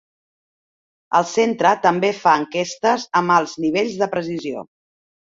El centre també fa enquestes amb alts nivells de precisió.